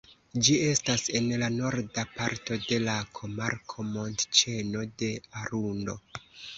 Ĝi estas en la norda parto de la komarko Montĉeno de Arundo.